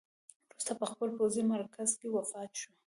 وروسته په خپل پوځي مرکز کې وفات شو.